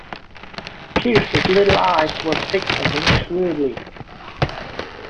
Pearce's little eyes were fixed on him shrewdly.